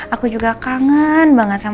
aku juga kangen banget sama